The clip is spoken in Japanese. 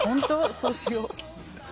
そうしよう。